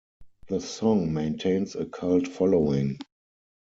The song maintains a cult following.